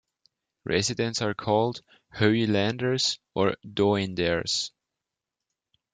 Residents are called Hoeilanders or Doenders.